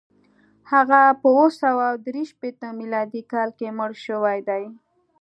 هغه په اووه سوه درې شپېته میلادي کال کې مړ شوی دی.